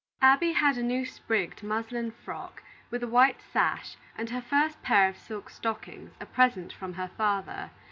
Abby had a new sprigged muslin frock, with a white sash, and her first pair of silk stockings, a present from her father.